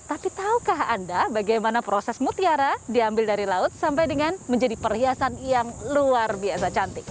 tapi tahukah anda bagaimana proses mutiara diambil dari laut sampai dengan menjadi perhiasan yang luar biasa cantik